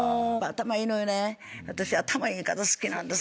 私頭いい方好きなんです。